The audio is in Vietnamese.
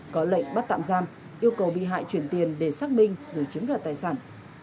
có lệnh bắt tạm giam yêu cầu bị hại chuyển tiền để xác minh rồi chiếm đoạt tài sản